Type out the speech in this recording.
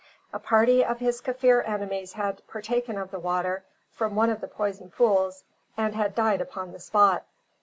A party of his Kaffir enemies had partaken of the water from one of the poisoned pools, and had died upon the spot.